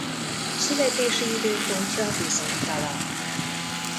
Születési időpontja bizonytalan.